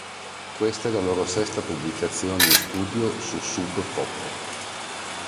Questa è la loro sesta pubblicazione in studio su Sub Pop